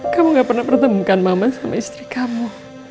kamu nggak pernah pertemukan mama sama istri kamu